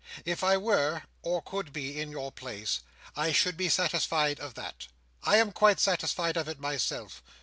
If I were, or could be, in your place, I should be satisfied of that. I am quite satisfied of it myself.